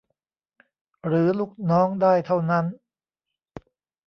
หรือลูกน้องได้เท่านั้น